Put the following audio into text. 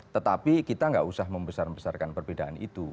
tetapi kita nggak usah membesar besarkan perbedaan itu